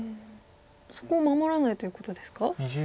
そこを守らないということですか？